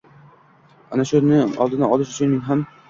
Ana shuning oldini olish uchun ham